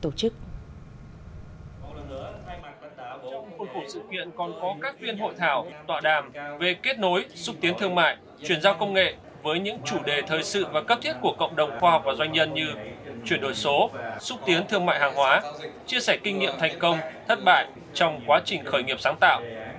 trong sự kiện còn có các viên hội thảo tọa đàm về kết nối xúc tiến thương mại chuyển giao công nghệ với những chủ đề thời sự và cấp thiết của cộng đồng khoa học và doanh nhân như chuyển đổi số xúc tiến thương mại hàng hóa chia sẻ kinh nghiệm thành công thất bại trong quá trình khởi nghiệp sáng tạo